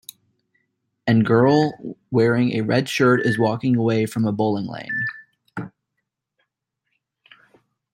An girl wearing a red shirt is walking away from a bowling lane.